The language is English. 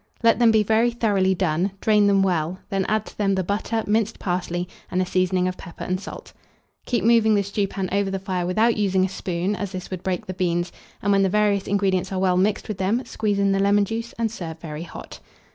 Let them be very thoroughly done; drain them well; then add to them the butter, minced parsley, and a seasoning of pepper and salt. Keep moving the stewpan over the fire without using a spoon, as this would break the beans; and, when the various ingredients are well mixed with them, squeeze in the lemon juice, and serve very hot.